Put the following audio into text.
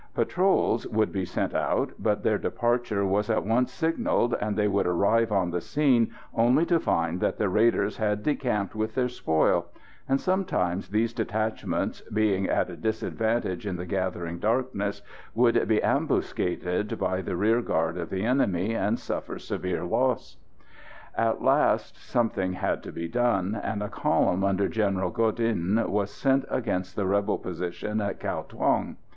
Patrols would be sent out, but their departure was at once signalled, and they would arrive on the scene only to find that the raiders had decamped with their spoil; and sometimes these detachments, being at a disadvantage in the gathering darkness, would be ambuscaded by the rear guard of the enemy, and suffer severe losses. At last, something had to be done, and a column under General Godin was sent against the rebel position at Cao Thuong.